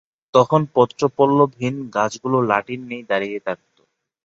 তখন পত্র-পল্লবহীন গাছগুলো লাঠির ন্যায় দাঁড়িয়ে থাকত।